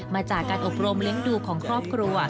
มาจากการอบรมเลี้ยงดูของครอบครัว